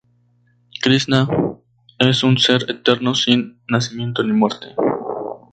Krisná es un ser eterno, sin nacimiento ni muerte.